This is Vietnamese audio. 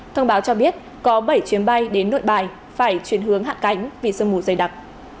thông báo cho biết có bảy chuyến bay đến nội bài phải chuyển hướng hạ cánh vì sương mù dày đặc